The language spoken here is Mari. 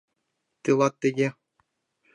— Тылат тыге!